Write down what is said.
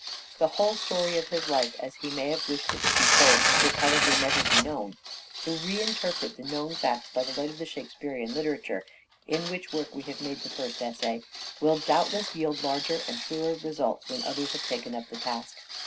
The whole story of his life, as he may have wished it to be told, will probably never be known. To reinterpret the known facts by the light of the Shake spearean literature, in which work we have made the first essay, will doubtless yield larger and truer results when others have taken up the task.